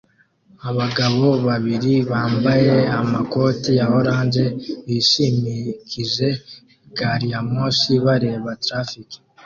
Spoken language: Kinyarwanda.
Abagabo babiri bambaye amakoti ya orange bishimikije gari ya moshi bareba traffic